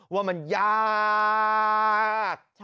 ว่ามันย้า่ากกกกกก